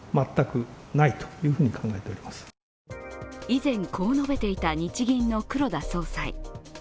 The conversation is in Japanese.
以前、こう述べていた日銀の黒田総裁。